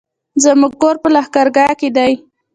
زموږ کور په لښکرګاه کی دی